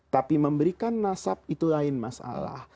tapi memberikan nasab itu lain masalah